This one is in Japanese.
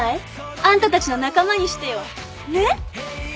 あんたたちの仲間にしてよねっ？